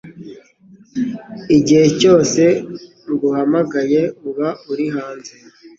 Igihe cyose nguhamagaye, uba uri hanze.